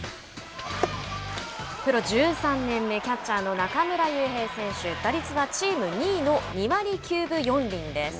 プロ１３年目キャッチャーの中村悠平選手打率はチーム２位の２割９分４厘です。